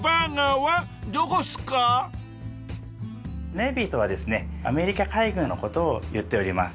ネイビーとはですねアメリカ海軍の事をいっております。